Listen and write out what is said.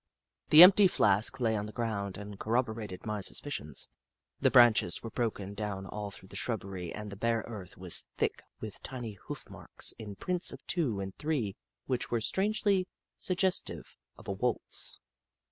The empty flask lay on the ground and corroborated my suspicions. The branches were broken down all through the shrubbery, and the bare earth was thick with tiny hoof marks in prints of two and three which were strangely suggestive of a waltz.